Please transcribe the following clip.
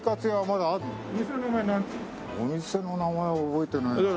お店の名前は覚えてないな。